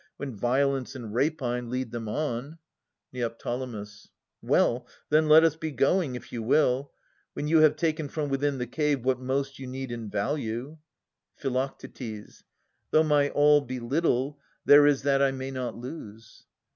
When violence and rapine lead them on. Neo. Well, then, let us be going, if you will ; When you have taken from within the cave What most you need and value. Phi. Though my all Be little, there is that I may not lose.